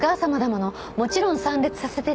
もちろん参列させていただきます。